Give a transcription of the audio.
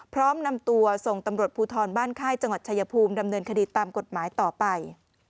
พร้อมนำตัวส่งตำรวจภูทรบ้านค่ายจังหวัดชายภูมิดำเนินคดีตามกฎหมายต่อไป